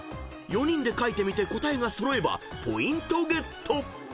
［４人で書いてみて答えが揃えばポイントゲット］